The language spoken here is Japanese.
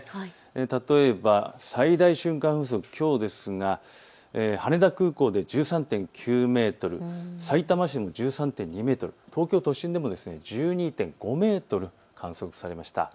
例えば最大瞬間風速、きょうですが羽田空港で１３．９メートル、さいたま市で１３．２メートル、東京都心でも１２．５メートル観測されました。